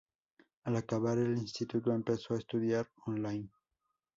Al acabar el instituto empezó a estudiar on-line.